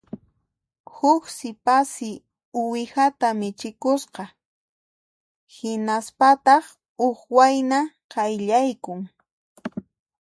Huk sipassi uwihata michikusqa; hinaspataq huk wayna qayllaykun